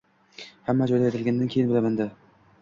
Hamma joyda aytilgandan keyin bilaman-da